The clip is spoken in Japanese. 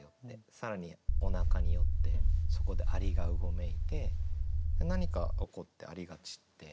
更におなかに寄ってそこで蟻が蠢いて何か起こって蟻が散って。